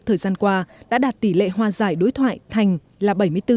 thời gian qua đã đạt tỷ lệ hòa giải đối thoại thành là bảy mươi bốn